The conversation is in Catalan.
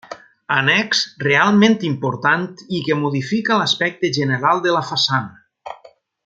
Annex realment important i que modifica l'aspecte general de la façana.